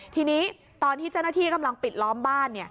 ทีนี้ตอนที่เจ้าหน้าที่กำลังปิดล้อมบ้าน